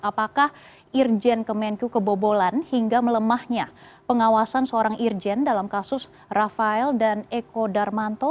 apakah irjen kemenku kebobolan hingga melemahnya pengawasan seorang irjen dalam kasus rafael dan eko darmanto